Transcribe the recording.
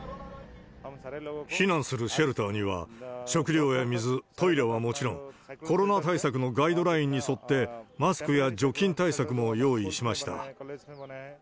避難するシェルターには、食料や水、トイレはもちろん、コロナ対策のガイドラインに沿って、マスクや除菌対策も用意しました。